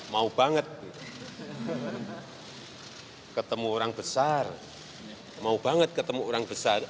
mau banget ketemu orang besar